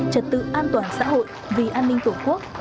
trật tự an toàn xã hội vì an ninh tổ quốc